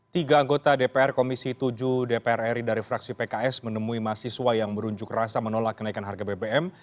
tiga anggota dpr komisi tujuh dpr ri dari fraksi pks menemui mahasiswa yang berunjuk rasa menolak kenaikan harga bbm